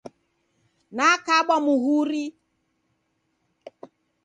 Nakabwa muhuri.